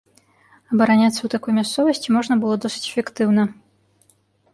Абараняцца ў такой мясцовасці можна было досыць эфектыўна.